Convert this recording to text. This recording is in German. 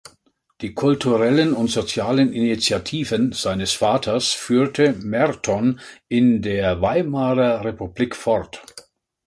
Die kulturellen und sozialen Initiativen seines Vaters führte Merton in der Weimarer Republik fort.